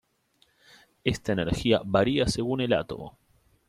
Esta energía varía según el átomo.